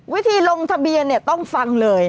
วิธีลงทะเบียนต้องฟังเลย